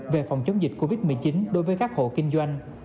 về phòng chống dịch covid một mươi chín đối với các hộ kinh doanh